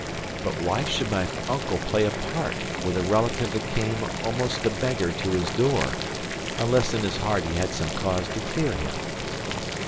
For why should my uncle play a part with a relative that came, almost a beggar, to his door, unless in his heart he had some cause to fear him?